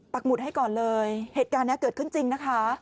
หุดให้ก่อนเลยเหตุการณ์นี้เกิดขึ้นจริงนะคะ